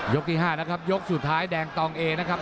ที่๕นะครับยกสุดท้ายแดงตองเอนะครับ